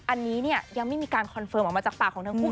อันนี้เนี่ยยังไม่มีการคอนเฟิร์มออกมาจากปากของทั้งคู่